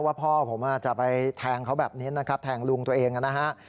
ว่าพ่อผมจะไปแทงเขาแบบนี้นะครับแทงลุงตัวเองนะฮะ